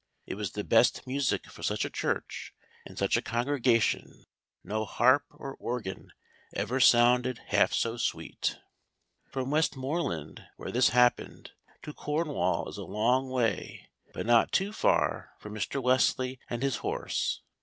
It was the best music for such a church and such a congregation, no harp or organ ever sounded half so sweet." From Westmoreland, where this happened, to Cornwall is a long way, but not too far for Mr. Wesley and his horse.